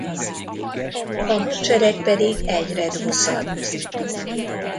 A hadsereg pedig egyre duzzadt.